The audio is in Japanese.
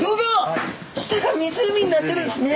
下が湖になっているんですね。